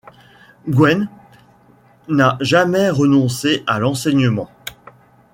Guem n'a jamais renoncé à l'enseignement.